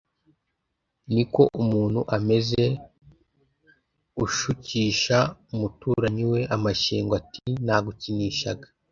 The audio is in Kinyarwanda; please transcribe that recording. ni ko umuntu ameze ushukisha umuturanyi we amashyengo, ati “nagukinishaga”